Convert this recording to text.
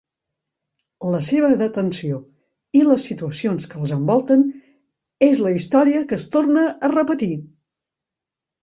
La seva detenció i les situacions que els envolten és la història que es torna a repetir.